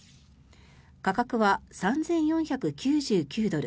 価格は３４９９ドル